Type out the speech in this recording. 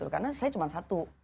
karena saya cuma satu